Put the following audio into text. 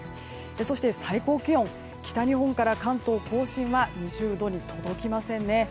そして、最高気温北日本から関東・甲信は２０度に届きませんね。